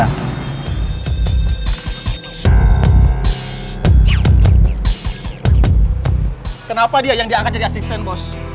kenapa dia yang diangkat jadi asisten bos